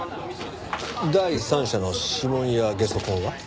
第三者の指紋やゲソ痕は？